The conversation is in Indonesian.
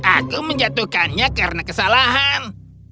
aku menjatuhkannya karena kesalahan